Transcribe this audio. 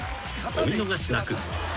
お見逃しなく］